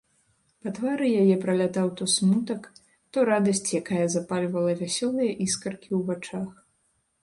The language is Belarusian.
Па твары яе пралятаў то смутак, то радасць, якая запальвала вясёлыя іскаркі ў вачах.